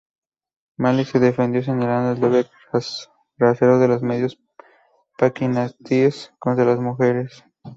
Malik se defendió señalando el doble rasero de los medios paquistaníes contra las mujeres.